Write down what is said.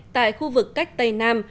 tại khu vực cách tây nam